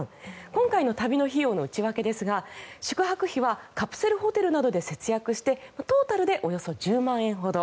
今回の旅の費用の内訳ですが宿泊費はカプセルホテルなどで節約してトータルでおよそ１０万円ほど。